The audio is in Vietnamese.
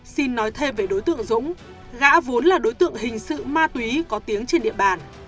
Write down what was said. xin nói thêm về đối tượng dũng gã vốn là đối tượng hình sự ma túy có tiếng trên địa bàn